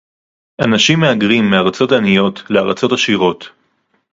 אנשים מהגרים מארצות עניות לארצות עשירות